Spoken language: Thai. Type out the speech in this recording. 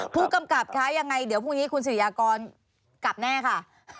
ผู้กำกับคะยังไงเดี๋ยวพรุ่งนี้คุณสิริยากรกลับแน่ค่ะ